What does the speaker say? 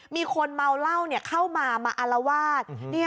มีคนมาเอาเล่าเข้ามามาเอารวาด